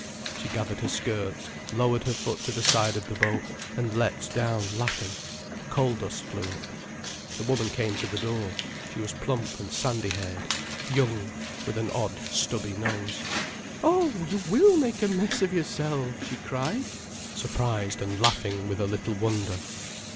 She gathered her skirts, lowered her foot to the side of the boat, and leapt down, laughing. Coal dust flew up. The woman came to the door. She was plump and sandy haired, young, with an odd, stubby nose. "Oh, you will make a mess of yourself," she cried, surprised and laughing with a little wonder.